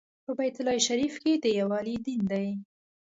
په بیت الله شریف کې د یووالي دین دی.